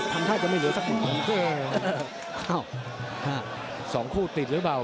ทำท่าจะไม่เหลือสักหนึ่งสองคู่ติดหรือเปล่า